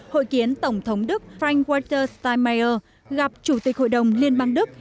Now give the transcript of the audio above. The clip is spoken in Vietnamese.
hội kiến tổng thống đức frank waters steinmeier gặp chủ tịch hội đồng liên bang đức